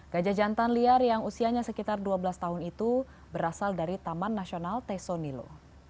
gajah jantan liar yang usianya sekitar dua belas tahun itu berasal dari taman nasional tesonilo